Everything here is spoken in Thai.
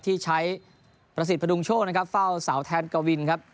ที่ใช้ประสิทธิพดุงโชคนะครับเฝ้าเสาแทนกวินครับ